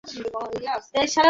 তার কথা তুলবে না।